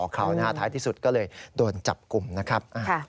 เขาท้ายที่สุดก็เลยโดนจับกลุ่มนะครับ